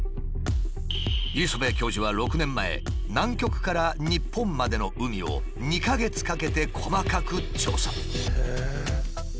磯辺教授は６年前南極から日本までの海を２か月かけて細かく調査。